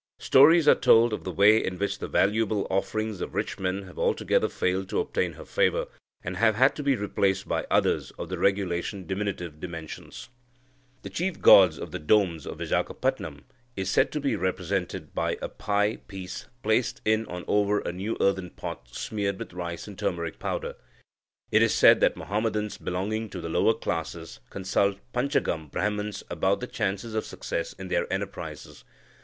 Stories are told of the way in which the valuable offerings of rich men have altogether failed to obtain her favour, and have had to be replaced by others of the regulation diminutive dimensions." The chief god of the Dombs of Vizagapatam is said to be represented by a pie piece placed in or over a new earthen pot smeared with rice and turmeric powder. It is said that Muhammadans, belonging to the lower classes, consult panchangam Brahmans about the chances of success in their enterprises.